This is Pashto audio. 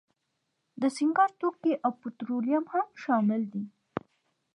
د سینګار توکي او پټرولیم هم شامل دي.